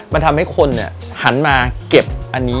มันทำให้คนหันมาเก็บอันนี้